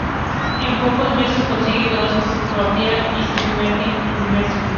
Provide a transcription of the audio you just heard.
En pocos meses consigue toda su discografía y se sumerge en su universo.